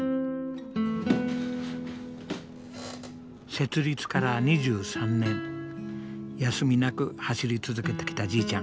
設立から２３年休みなく走り続けてきたじいちゃん。